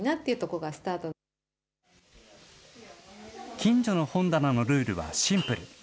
きんじょの本棚のルールはシンプル。